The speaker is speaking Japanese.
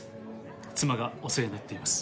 妻がお世話になっています。